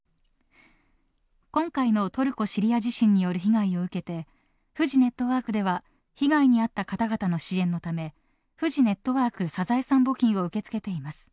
今回のトルコ、シリア地震による被害を受けてフジネットワークでは被害に遭った方々の支援のためフジネットワークサザエさん募金を受け付けています。